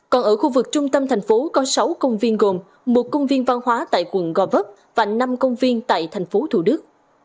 còn ở khu vực trung tâm thành phố có sáu công viên gồm một công viên văn hóa tại quận gò vấp và năm công viên tại thành phố thủ đức